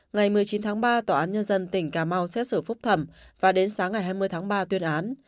ngày một mươi chín tháng ba tòa án nhân dân tỉnh cà mau xét xử phúc thẩm và đến sáng ngày hai mươi tháng ba tuyên án